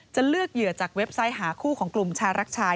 จะเลือกเหยื่อจากเว็บไซต์หาคู่ของกลุ่มชายรักชาย